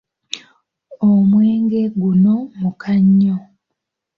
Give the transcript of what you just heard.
Omwenge guno muka nnyo.